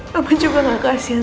mama juga gak kasihan